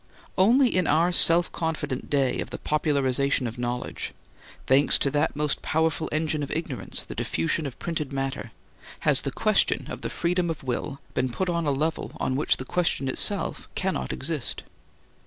Only in our self confident day of the popularization of knowledge—thanks to that most powerful engine of ignorance, the diffusion of printed matter—has the question of the freedom of will been put on a level on which the question itself cannot exist.